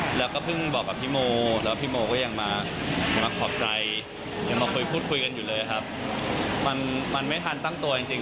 ใช่ครับที่ครั้งหนึ่งในชีวิตได้ร่วมงานกับนักแสดงที่เก่ง